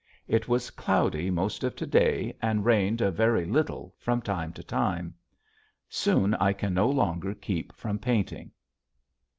It was cloudy most of to day and rained a very little from time to time. Soon I can no longer keep from painting.